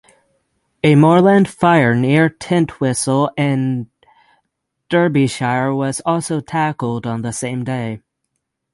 A moorland fire near Tintwistle in Derbyshire was also tackled on the same day.